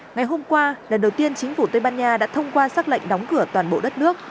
ngày hôm qua lần đầu tiên chính phủ tây ban nha đã thông qua xác lệnh đóng cửa toàn bộ đất nước